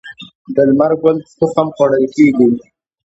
د لمر ګل تخم خوړل کیږي.